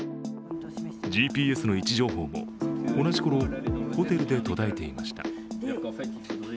ＧＰＳの位置情報も同じ頃、ホテルで途絶えていました。